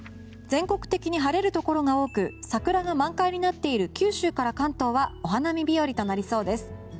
全国的に晴れるところが多く桜が満開になっている九州から関東はお花見日和となりそうです。